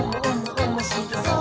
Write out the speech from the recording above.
おもしろそう！」